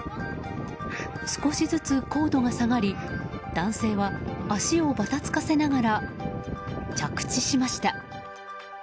少しずつ高度が下がり男性は足をばたつかせながら着地しました。